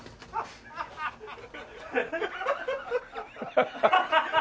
ハハハハ。